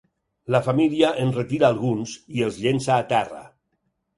La família en retira alguns i els llença a terra.